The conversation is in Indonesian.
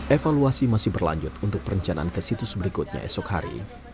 evaluasi masih berlanjut untuk perencanaan ke situs berikutnya esok hari